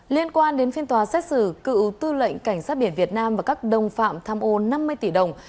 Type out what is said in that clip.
liên quan đến phiên tòa xét xử cựu tư lệnh cảnh sát biển việt nam và các đồng phạm tham ô năm mươi tỷ đồng